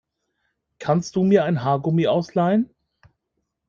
Kannst du mir ein Haargummi ausleihen?